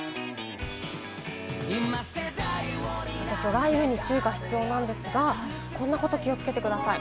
雷雨に注意が必要なんですが、こんなことに気をつけてください。